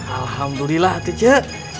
alhamdulillah tuh cek